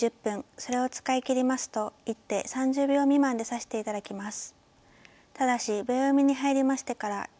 それを使い切りますと一手３０秒未満で指して頂きます。